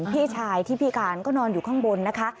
พี่ชายที่พิการก็นอนอยู่ข้างบนนะคะ